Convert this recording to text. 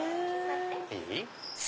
いい？